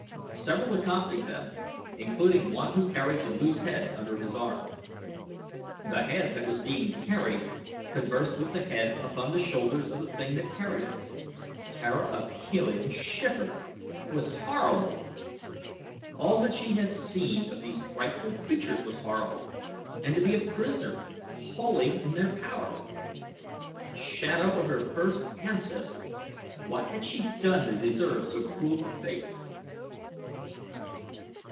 Several accompanied them, including one who carried the loose head under his arm. The head that was being carried conversed with the head upon the shoulders of the thing that carried it. Tara of Helium shivered. It was horrible! All that she had seen of these frightful creatures was horrible. And to be a prisoner, wholly in their power. Shadow of her first ancestor! What had she done to deserve so cruel a fate?